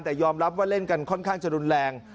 แต่ยอมรับว่าเล่นกันค่อนข้างจะรุนแรง